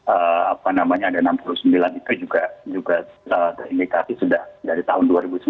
apa namanya ada enam puluh sembilan itu juga terindikasi sudah dari tahun dua ribu sembilan belas